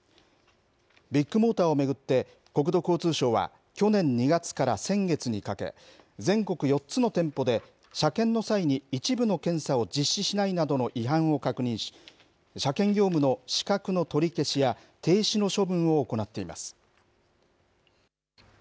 ビッグモーターを巡って、国土交通省は、去年２月から先月にかけ、全国４つの店舗で、車検の際に一部の検査を実施しないなどの違反を確認し、車検業務の資格の取り消しや、停止の処分を行っています。